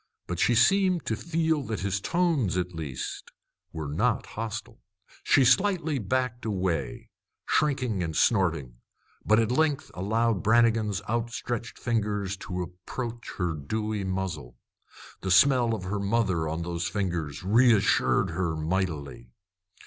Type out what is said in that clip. But she seemed to feel that his tones, at least, were not hostile. She slightly backed away, shrinking and snorting, but at length allowed Brannigan's outstretched fingers to approach her dewy muzzle. The smell of her mother on those fingers reassured her mightily.